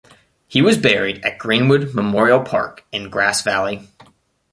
He was buried at Greenwood Memorial Park in Grass Valley.